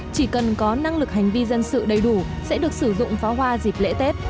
chỉ cần có năng lực hành vi dân sự đầy đủ sẽ được sử dụng pháo hoa dịp lễ tết